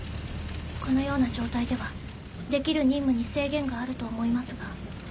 このような状態ではできる任務に制限があると思いますが。